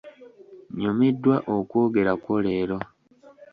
Nyumiddwa okwogera kwo leero.